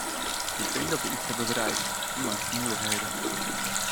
Ik denk dat we iets hebben bereikt, ondanks de moeilijkheden.